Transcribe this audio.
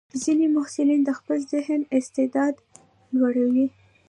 ځینې محصلین د خپل ذهني استعداد لوړوي.